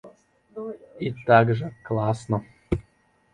І так жа класна!